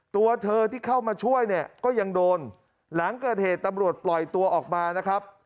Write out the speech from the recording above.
ตัวเธอที่เข้ามาช่วยเนี่ยก็ยังโดนหลังเกิดเหตุตำรวจปล่อยตัวออกมานะครับ